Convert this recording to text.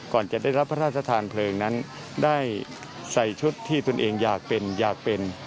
ก่อนจะได้รับพระราชทานเพลิงนั้นได้ใส่ชุดที่ตนเองอยากเป็นอยากเป็น